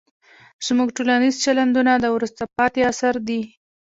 زموږ ټولنیز چلندونه د وروسته پاتې عصر دي.